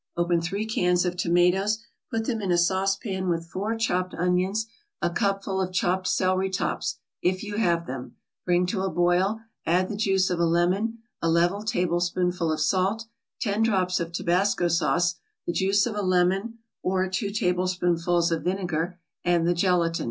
Open three cans of tomatoes, put them in a saucepan with four chopped onions, a cupful of chopped celery tops, if you have them, bring to a boil, add the juice of a lemon, a level tablespoonful of salt, ten drops of Tabasco sauce, the juice of a lemon, or two tablespoonfuls of vinegar, and the gelatin.